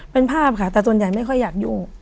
เป็นภาพค่ะแต่ส่วนใหญ่ไม่ค่อยอยากยุ่ง